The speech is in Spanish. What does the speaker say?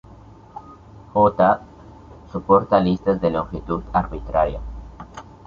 J soporta listas de longitud arbitraria.